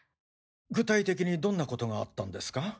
具体的にどんなことがあったんですか？